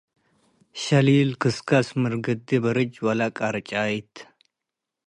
ሸሊል ክስከስ ወምርግዲ በርጅ ወለቅርጫይት